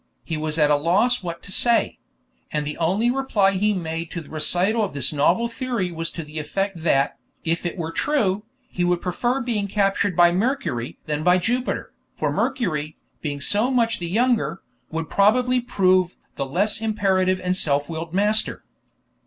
He was at a loss what to say; and the only reply he made to the recital of this novel theory was to the effect that, if it were true, he would prefer being captured by Mercury than by Jupiter, for Mercury, being so much the younger, would probably prove the less imperative and self willed master.